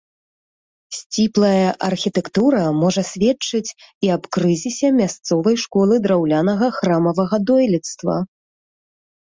Сціплая архітэктура можа сведчыць і аб крызісе мясцовай школы драўлянага храмавага дойлідства.